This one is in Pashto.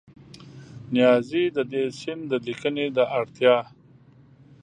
نیازي د دې سیند د لیکنې د اړتیا